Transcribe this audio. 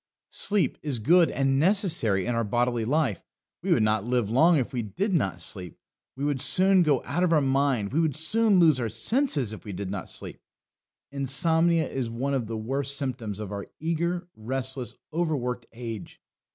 Sleep is good and necessary in our bodily life. We would not live long if we did not sleep; we would soon go out of our mind; we would soon lose our senses if we did not sleep. Insomnia is one of the worst symptoms of our eager, restless, over worked age.